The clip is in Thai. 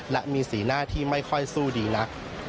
และมีสีหน้าที่ไม่ค่อยสู้ดีนัก